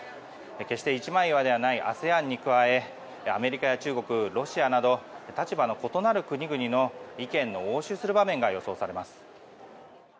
決して一枚岩ではないＡＳＥＡＮに加えアメリカや中国、ロシアなど立場の異なる国々の意見の応酬する場面が予想されます。